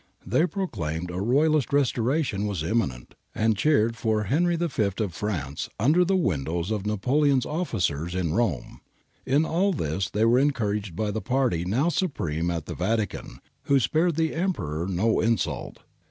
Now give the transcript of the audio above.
They proclaimed a Royalist restoration as imminent, and cheered for ' Henry V ' of France under the windows of Napoleon's officers in Rome.^ In all this they were en couraged by the party now supreme at the Vatican, who spared the Emperor no insult.